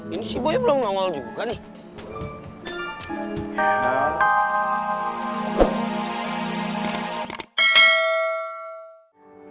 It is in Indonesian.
ini si boya belum nangol juga nih